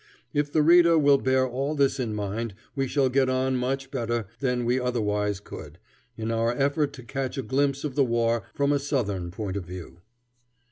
If the reader will bear all this in mind we shall get on much better than we otherwise could, in our effort to catch a glimpse of the war from a Southern point of view.